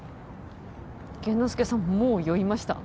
玄之介さんもう酔いました？